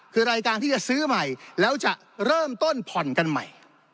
คือรายการที่จะซื้อใหม่แล้วจะเริ่มต้นผ่อนกันใหม่